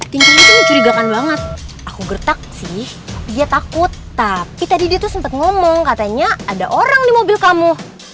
tinking itu mencurigakan banget aku gertak sih dia takut tapi tadi dia tuh sempat ngomong katanya ada orang di mobil kamu